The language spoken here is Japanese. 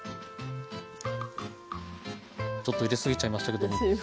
ちょっと入れすぎちゃいましたけども。